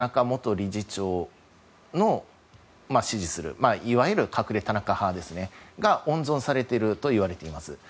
その結果、どうも一定数が田中元理事長を支持するいわゆる隠れ田中派が温存されてるといわれています。